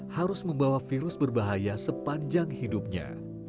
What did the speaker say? harus membawa virus berbahaya sepanjang hidupnya